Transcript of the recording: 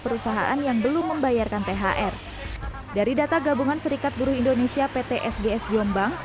perusahaan yang belum membayarkan thr dari data gabungan serikat buruh indonesia pt sgs jombang